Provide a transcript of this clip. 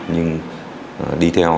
nhưng đi theo